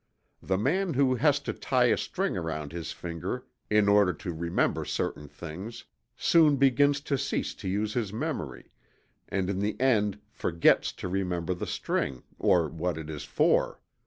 The man who has to tie a string around his finger in order to remember certain things, soon begins to cease to use his memory, and in the end forgets to remember the string, or what it is for.